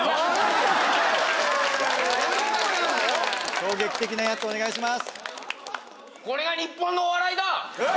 衝撃的なやつお願いします